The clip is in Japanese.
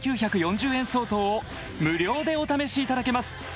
５９４０円相当を無料でお試しいただけます